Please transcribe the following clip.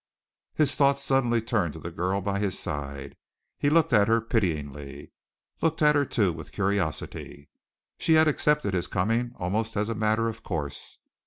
His thoughts suddenly turned to the girl by his side. He looked at her pityingly, looked at her, too, with curiosity. She had accepted his coming almost as a matter of course.